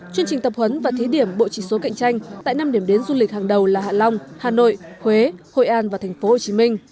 chương trình tập huấn và thí điểm bộ chỉ số cạnh tranh tại năm điểm đến du lịch hàng đầu là hạ long hà nội huế hội an và tp hcm